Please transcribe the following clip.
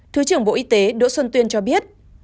thứ trưởng bộ y tế đỗ xuân tuyên cho biết